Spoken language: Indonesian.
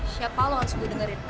siapa lo harus gue dengerin